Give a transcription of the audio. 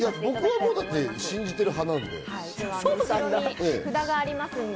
僕は信じている派なので。